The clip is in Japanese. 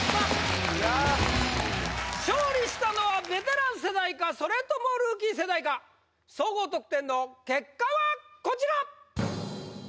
勝利したのはベテラン世代かそれともルーキー世代か総合得点の結果はこちら！